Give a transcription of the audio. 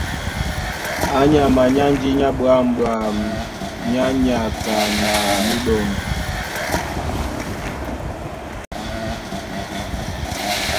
Á nyama é ánjí ɓwǎm̀ɓwam nyá nyaka na míɗɔŋgi.